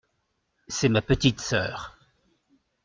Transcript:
C’est ma petite sœur.